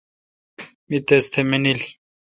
می تس تھ مانیل۔